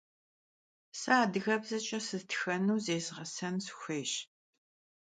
Se adıgebzeç'e sıtxenu zezğeş'en sıxuêyş.